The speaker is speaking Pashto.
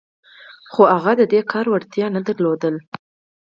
خو هغه د دې کار وړتیا نه درلوده